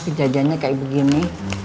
kejadiannya kayak begini